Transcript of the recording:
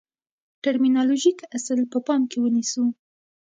ټرمینالوژیک اصل په پام کې ونیسو.